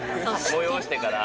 「催してから」